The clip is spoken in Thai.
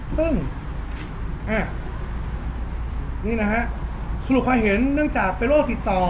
ซึ่งนี่นะฮะสรุปให้เห็นเนื่องจากเป็นโรคติดต่อ